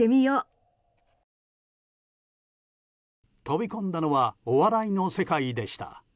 飛び込んだのはお笑いの世界でした。